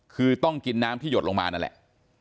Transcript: คือต้องกินน้ำที่หยดลงมานั่นแหละ